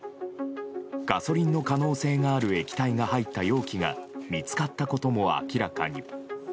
ガソリンの可能性がある液体が入った容器が見つかったことも明らかに。